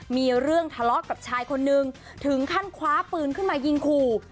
มีเรื่องทะเลาะกับชายคนนึงถึงขั้นคว้าปืนขึ้นมายิงขู่